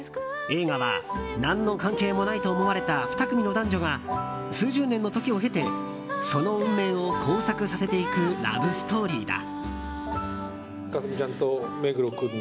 映画は、何の関係もないと思われた２組の男女が数十年の時を経てその運命を交錯させていくラブストーリーだ。